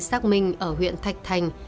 xác minh ở huyện thạch thành